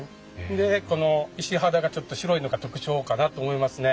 でこの石肌がちょっと白いのが特徴かなと思いますね。